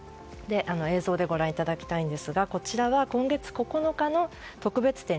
映像でご覧いただきたいんですがこちらは今月９日の特別展